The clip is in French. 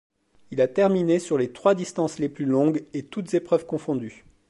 Il a terminé sur les trois distances les plus longues, et toutes épreuves confondues.